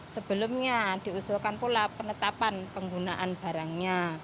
sebelumnya diusulkan pula penetapan penggunaan barangnya